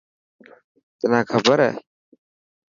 تنان کبر هي؟